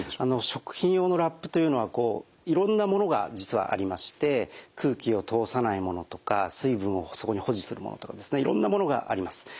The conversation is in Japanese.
食品用のラップというのはいろんなものが実はありまして空気を通さないものとか水分をそこに保持するものとかいろんなものがあります。